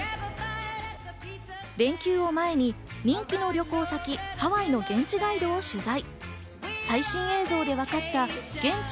連休を前に人気の旅行先ハワイの現地ガイドを取材。